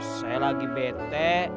saya lagi bete